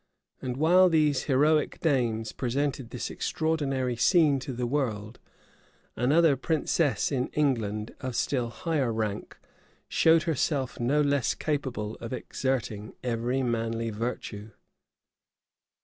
And while these heroic dames presented this extraordinary scene to the world, another princess in England, of still higher rank, showed herself no less capable of exerting every manly virtue.